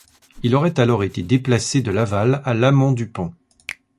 Il aurait alors été déplacé de l'aval à l'amont du pont.